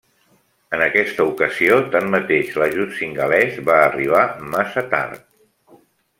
En aquesta ocasió tanmateix l'ajut singalès va arribar massa tard.